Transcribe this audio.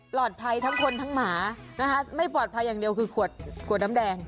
ทั้งคนทั้งหมานะคะไม่ปลอดภัยอย่างเดียวคือขวดขวดน้ำแดง